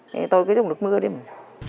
thế tôi cứ dùng nước mưa đi mà